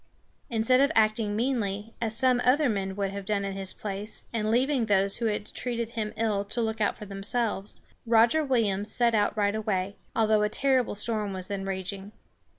Instead of acting meanly, as some other men would have done in his place, and leaving those who had treated him ill to look out for themselves, Roger Williams set out right away, although a terrible storm was then raging.